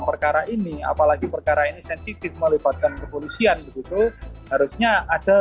perkara ini apalagi perkara ini sensitif melibatkan kepolisian begitu harusnya ada